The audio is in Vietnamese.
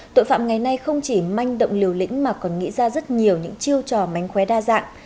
tội phạm ngày nay không chỉ manh động liều lĩnh mà còn nghĩ ra rất nhiều những chiêu trò mánh khóe đa dạng